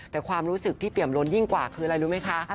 แต่ความรู้สึกที่เปี่ยมล้นยิ่งกว่าคืออะไรรู้ไหมคะ